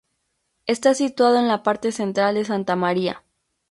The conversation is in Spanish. Está situado en la parte central de Santa Maria.